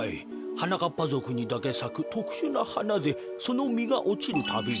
はなかっぱぞくにだけさくとくしゅなはなでそのみがおちるたびに。